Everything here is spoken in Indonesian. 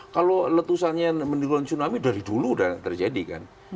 kalau letusannya menurun tsunami dari dulu sudah terjadi kan